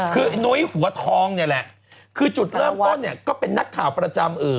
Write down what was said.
คือนุ้ยหัวทองเนี่ยแหละคือจุดเริ่มต้นเนี่ยก็เป็นนักข่าวประจำเอ่อ